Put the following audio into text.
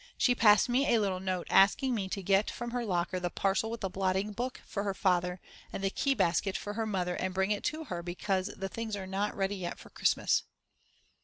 She passed me a little note asking me to get from her locker the parcel with the blotting book for her father and the key basket for her mother and bring it to her because the things are not ready yet for Christmas.